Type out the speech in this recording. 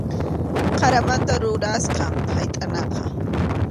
Qaramanta rurasqam haytʼanaqa.